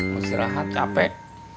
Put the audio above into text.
masih terlalu capek